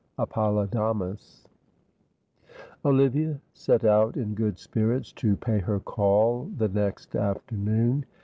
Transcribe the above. Appolodamus. Olivia set out in good spirits to pay her call the next afternoon.